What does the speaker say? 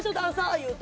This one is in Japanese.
言うて。